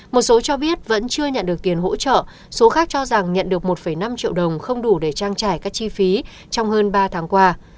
một số cho biết vẫn chưa nhận được tiền hỗ trợ số khác cho rằng nhận được một năm triệu đồng không đủ để trang trải các chi phí trong hơn ba tháng qua